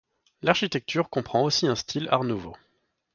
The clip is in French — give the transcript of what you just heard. L'architecture comprend aussi un style Art nouveau.